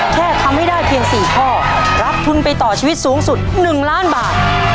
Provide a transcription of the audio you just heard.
แค่ทำให้ได้เพียง๔ข้อรับทุนไปต่อชีวิตสูงสุด๑ล้านบาท